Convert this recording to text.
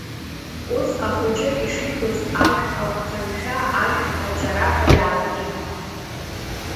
Ус ахәыҷы ишибоз ашә агәҭаншәа ашә аҷараҳәа иаатит.